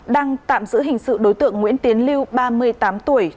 đang tạm giữ hình sự đối tượng nguyễn tiến lưu ba mươi tám tuổi